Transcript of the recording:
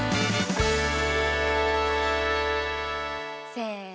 せの！